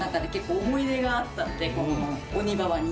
このオニババに。